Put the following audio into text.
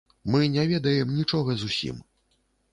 Мы не ведаем нічога зусім.